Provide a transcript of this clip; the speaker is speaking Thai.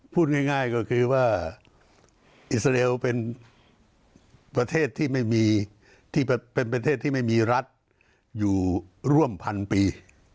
พูดง่ายก็คือว่าอิสราเอลเป็นประเทศที่ไม่มีรัฐอยู่ร่วมพันปี